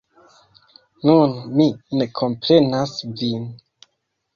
Nun mi ne komprenas vin.